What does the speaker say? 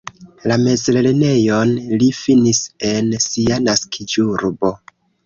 La mezlernejon li finis en sia naskiĝurbo.